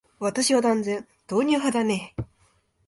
私は断然、豆乳派だね。